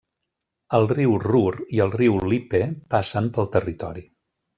El riu Ruhr i el riu Lippe passen pel territori.